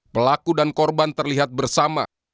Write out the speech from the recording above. pelaku dan korban terlihat bersama